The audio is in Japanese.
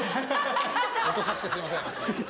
落とさせてすいません。